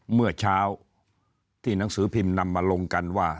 เมื่อเช้าที่หนังสือพิมพ์นำมาลงกันว่า